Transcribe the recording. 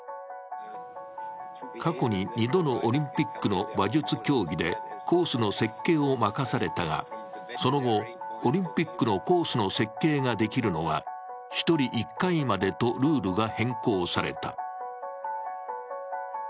過去に２度のオリンピックの馬術競技でコースの設計を任されたが、その後、オリンピックのコースの設計ができるのは１人１回までとルールが変更された。